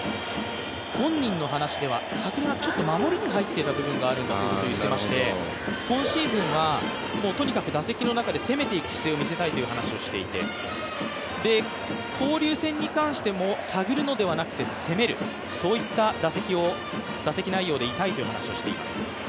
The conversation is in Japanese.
本人の話では昨年はちょっと守りに入った部分があるんだと言ってまして今シーズンは、とにかく打席の中で攻めていく姿勢を示したいとしていて交流戦に関しても探るのではなくて攻める、そういった打席内容でいたいというような話をしています。